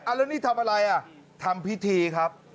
อ้าวแล้วนี่ทำอะไรทำพิธีครับ